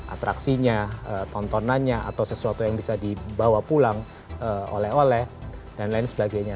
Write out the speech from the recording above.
atraksinya tontonannya atau sesuatu yang bisa dibawa pulang oleh oleh dan lain sebagainya